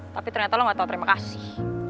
tapi ternyata lo gak tau terima kasih